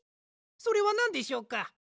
それはなんでしょうか？